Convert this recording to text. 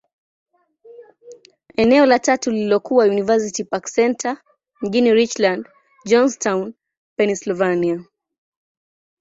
Eneo la tatu lililokuwa University Park Centre, mjini Richland, Johnstown, Pennyslvania.